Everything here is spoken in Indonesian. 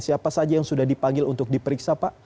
siapa saja yang sudah dipanggil untuk diperiksa pak